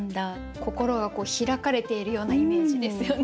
心が開かれているようなイメージですよね。